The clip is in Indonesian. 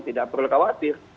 tidak perlu khawatir